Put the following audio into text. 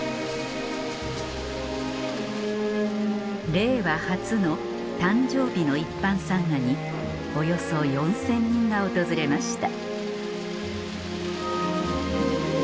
令和初の誕生日の一般参賀におよそ４０００人が訪れました